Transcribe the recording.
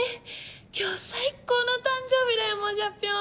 今日最高の誕生日だよモジャピョン！